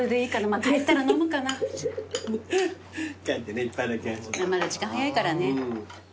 まだ時間早いからね。